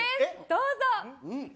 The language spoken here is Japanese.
どうぞ。